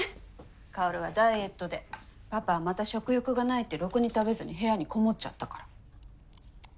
薫はダイエットでパパはまた食欲がないってろくに食べずに部屋に籠もっちゃったから。